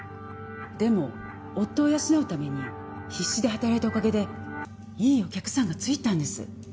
でも夫を養うために必死で働いたおかげでいいお客さんがついたんです。